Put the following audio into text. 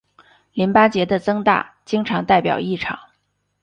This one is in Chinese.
淋巴结的增大经常代表异常。